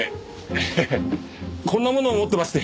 エヘヘヘこんなものを持ってまして。